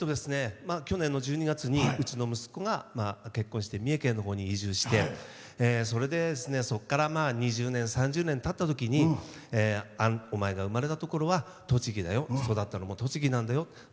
去年の１２月にうちの息子が結婚して三重県のほうに移住して、それで、そこから２０年、３０年たったときにお前が生まれたところは栃木だよ育ったのも栃木なんだよ。